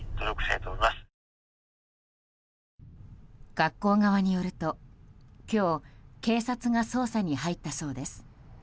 学校側によると、今日警察が捜査に入ったそうです。